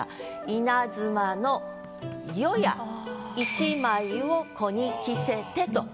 「稲妻の夜や一枚を子に着せて」と。